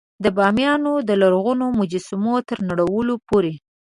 د بامیان د لرغونو مجسمو تر نړولو پورې.